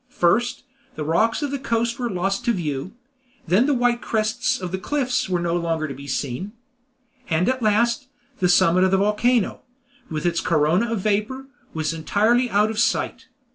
First, the rocks of the coast were lost to view; then the white crests of the cliffs were no longer to be seen; and at last, the summit of the volcano, with its corona of vapor, was entirely out of sight.